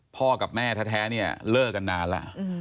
พ่อกับแม่แท้เนี่ยเลิกกันนานแล้ว